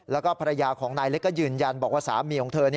แล้วก็ภรรยาของนายเล็กก็ยืนยันบอกว่าสามีของเธอ